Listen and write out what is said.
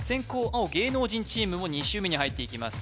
青芸能人チームも２周目に入っていきます